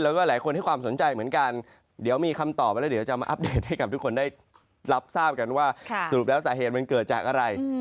แล้วก็หลายคนให้ความสนใจเหมือนกันเดี๋ยวมีคำตอบแล้วเดี๋ยวจะมาอัปเดตให้กับทุกคนได้รับทราบกันว่าสรุปแล้วสาเหตุมันเกิดจากอะไร